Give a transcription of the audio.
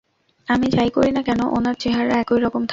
আমি যা-ই করি না কেন, ওনার চেহারা একই রকম থাকবে।